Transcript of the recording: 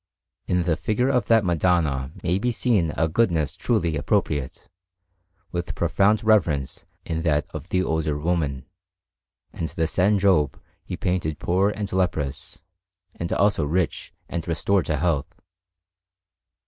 In the figure of that Madonna may be seen a goodness truly appropriate, with profound reverence in that of the older woman; and the S. Job he painted poor and leprous, and also rich and restored to health.